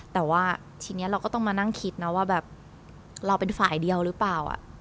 แต่ว่าทีนี้เราก็ต้องมานั่งคิดนะว่าแบบเราเป็นฝ่ายเดียวหรือเปล่า